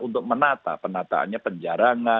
untuk menata penataannya penjarahnya